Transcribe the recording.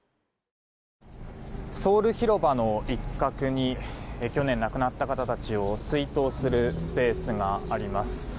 ソウル広場の一角に去年亡くなった方たちを追悼するスペースがあります。